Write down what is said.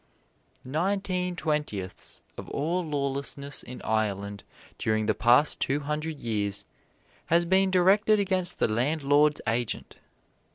Nineteen twentieths of all lawlessness in Ireland during the past two hundred years has been directed against the landlord's agent.